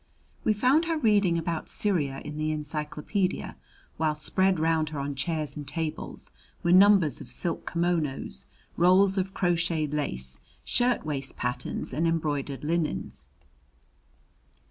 We found her reading about Syria in the encyclopædia, while spread round her on chairs and tables were numbers of silk kimonos, rolls of crocheted lace, shirt waist patterns, and embroidered linens.